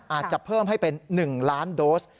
อาจจะเพิ่มให้เป็น๑ล้านโดส